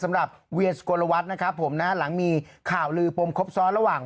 สำหรับเวียสโกระวัตนะครับผมนะครับหลังมีข่าวลือปมครบซ้อนระหว่าง